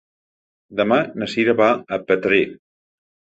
Demà na Cira va a Petrer.